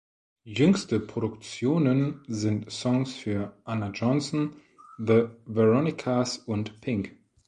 Jüngste Produktionen sind Songs für Ana Johnsson, The Veronicas und Pink.